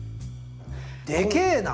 でけえな！